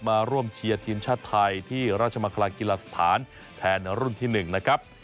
มาร่วมเชียร์ทีมชาติไทยที่ราชมังคลากีฬาสถานแทนรุ่นที่๑นะครับ